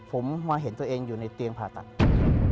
ผมมาเห็นตัวเองอยู่ในเตียงผ่าตัด